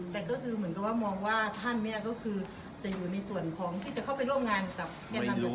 แต่ก็คือเหมือนกับว่ามองว่าท่านเนี่ยก็คือจะอยู่ในส่วนของที่จะเข้าไปร่วมงานกับแก่นำเด็ก